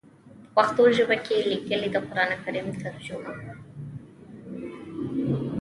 پۀ پښتو ژبه کښې ليکلی د قران کريم ترجمه